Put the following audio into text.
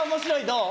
どう？